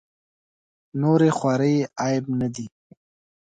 نورې خوارۍ عیب نه دي.